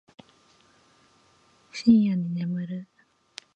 深夜に寝る